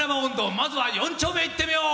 まずは四丁目いってみよう！